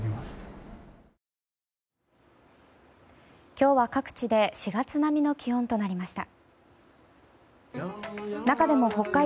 今日は各地で４月並みの気温となりました。